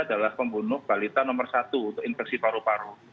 adalah pembunuh balita nomor satu untuk infeksi paru paru